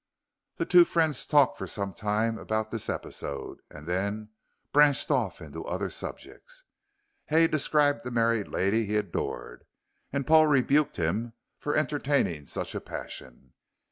The two friends talked for some time about this episode, and then branched off into other subjects. Hay described the married lady he adored, and Paul rebuked him for entertaining such a passion.